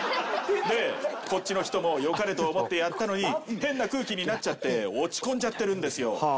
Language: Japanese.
でこっちの人も良かれと思ってやったのに変な空気になっちゃって落ち込んじゃってるんですよ。